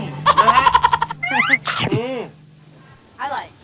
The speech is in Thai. อร่อย